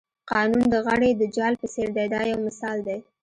قانون د غڼې د جال په څېر دی دا یو مثال دی.